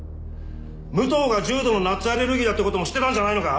武藤が重度のナッツアレルギーだってことも知ってたんじゃないのか？